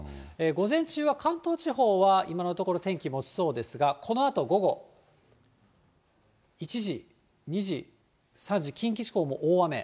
午前中は関東地方は今のところ天気もちそうですが、このあと午後１時、２時、３時、近畿地方も大雨。